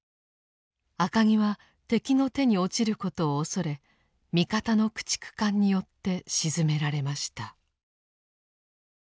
赤城は敵の手に落ちることを恐れ味方の駆逐艦によって沈められました。